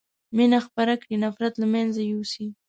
مينه خپره کړي نفرت له منځه يوسئ